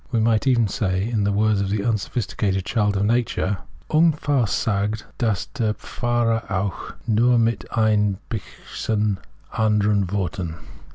We might even say, in the words of the unsbphisticated child of nature, Ungefahr sagt das der Pfarrer auch, Nur mit ein bischen anderen Worten.